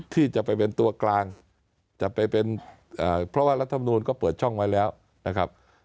ที่จะไปเป็นตัวกลางจะไปเป็นเพราะว่ารัฐมนูลก็เปิดช่องไว้แล้วนะครับ